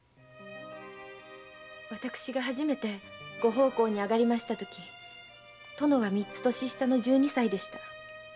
私が初めてご奉公に上がったとき殿は三つ年下の十二歳でした。